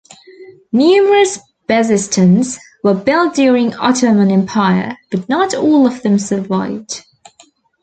Numerous bezistans were built during Ottoman Empire, but not all of them survived.